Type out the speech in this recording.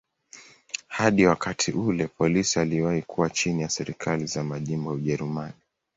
Hadi wakati ule polisi iliwahi kuwa chini ya serikali za majimbo ya Ujerumani.